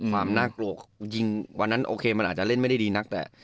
ความน่ากลัวยิงวันนั้นโอเคมันอาจจะเล่นไม่ได้ดีนักแต่